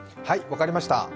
はい、分かりました。